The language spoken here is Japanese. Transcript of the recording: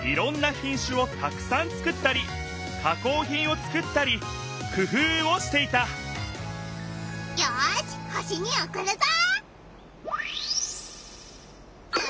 しゅをたくさんつくったりかこうひんをつくったりくふうをしていたよし星におくるぞ！